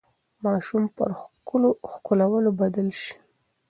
ماشوم پر ښکلولو بدل شي.